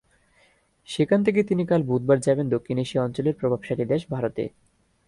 সেখান থেকে তিনি কাল বুধবার যাবেন দক্ষিণ এশিয়া অঞ্চলের প্রভাবশালী দেশ ভারতে।